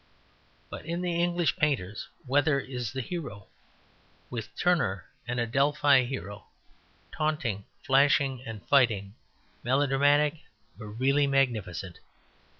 But in the English painters Weather is the hero; with Turner an Adelphi hero, taunting, flashing and fighting, melodramatic but really magnificent.